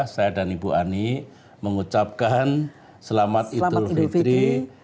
saya dan ibu ani mengucapkan selamat idul fitri